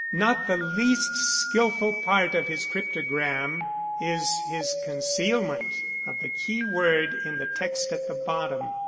Not the least skilful part of his cryptogram is his concealment of the keyword in the text at the bottom.